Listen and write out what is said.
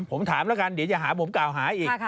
ผมถามแล้วกันเดี๋ยวจะหาผมกล่าวหาอีก